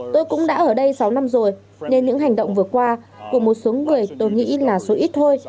tôi cũng đã ở đây sáu năm rồi nên những hành động vừa qua của một số người tôi nghĩ là số ít thôi